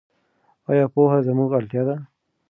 ایا پوهه زموږ اړتیا ده؟